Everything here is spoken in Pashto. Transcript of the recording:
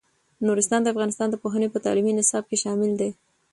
نورستان د افغانستان د پوهنې په تعلیمي نصاب کې شامل دی.